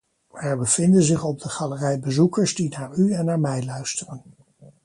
Er bevinden zich op de galerij bezoekers die naar u en naar mij luisteren.